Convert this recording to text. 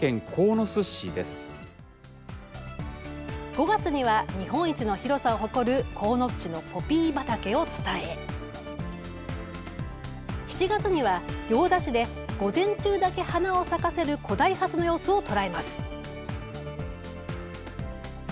５月には日本一の広さを誇る鴻巣市のポピー畑を伝え７月には行田市で午前中だけ花を咲かせる古代ハスの様子をとらえます。